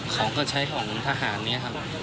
ก็จะประมาณนี้